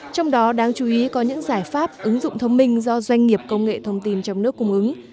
trong đó đáng chú ý có những giải pháp ứng dụng thông minh do doanh nghiệp công nghệ thông tin trong nước cung ứng